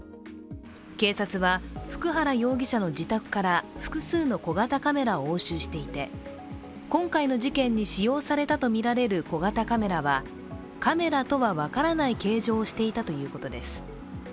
警察は、福原容疑者の自宅から複数の小型カメラを押収していて今回の事件に使用されたとみられる小型カメラはカメラとは分からない形状をしていたということです。